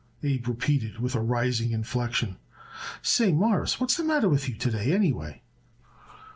Abe repeated with a rising inflection. "Say, Mawruss, what's the matter with you to day, anyway?"